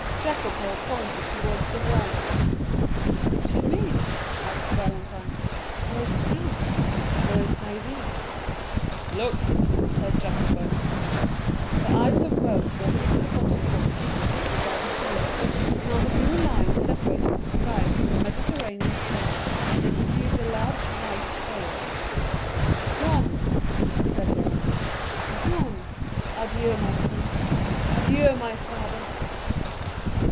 Jacopo pointed towards the horizon. "What do you mean?" asked Valentine. "Where is the count?—where is Haydée?" "Look!" said Jacopo. The eyes of both were fixed upon the spot indicated by the sailor, and on the blue line separating the sky from the Mediterranean Sea, they perceived a large white sail. "Gone," said Morrel; "gone!—adieu, my friend—adieu, my father!"